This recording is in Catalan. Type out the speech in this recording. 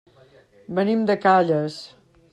Venim de Calles.